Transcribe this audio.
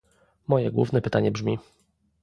Moje główne pytanie brzmi